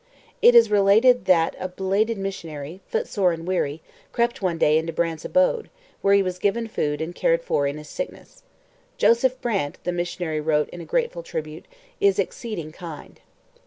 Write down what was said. It is related that a belated missionary, footsore and weary, crept one day to Brant's abode, where he was given food and cared for in his sickness. 'Joseph Brant,' the missionary wrote in grateful tribute, 'is exceeding kind.'